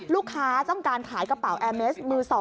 ลูกค้าต้องการขายกระเป๋าแอร์เมสมือ๒